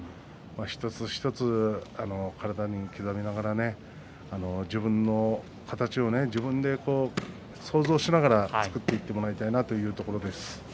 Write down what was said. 一つ一つ、体に刻みながら自分の形を自分で想像しながら作っていってほしいなというところです。